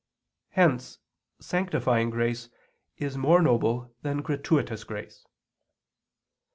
Hence sanctifying grace is more noble than gratuitous grace.